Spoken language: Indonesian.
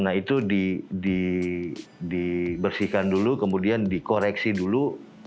nah itu dibersihkan dulu kemudian dikoreksi dulu